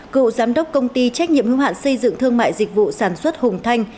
cựu giám đốc công ty trách nhiệm hưu hạn xây dựng thương mại dịch vụ sản xuất hùng thanh